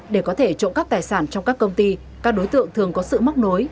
để có thể trộm cắp tài sản trong các công ty các đối tượng thường có sự móc nối